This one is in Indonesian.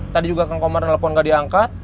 tadi juga kang komar nelfon nggak diangkat